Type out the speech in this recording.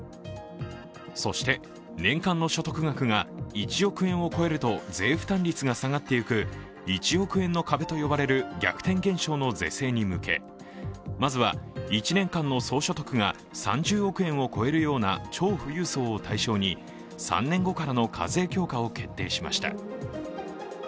そして、年間の所得額が１億円を超えると税負担率が下がっていく１億円の壁と呼ばれる逆転現象の是正に向け、まずは１年間の総所得が３０億円を超えるような超富裕層を対象に、３年後からの課税強化を決定しました。